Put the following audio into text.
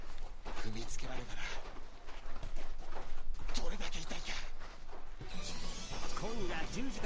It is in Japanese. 踏みつけられたらどれだけ痛いか。